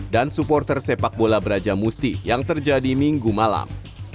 dan supporter sepak bola braja musti yang terjadi minggu malam